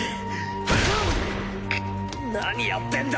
グ何やってんだ